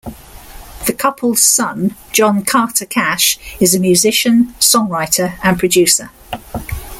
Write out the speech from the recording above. The couple's son, John Carter Cash, is a musician, songwriter, and producer.